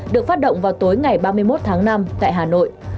được phát động vào tối ngày ba mươi một tháng năm tại hà nội